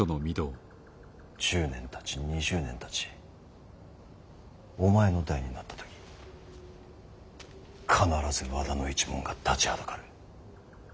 １０年たち２０年たちお前の代になった時必ず和田の一門が立ちはだかる。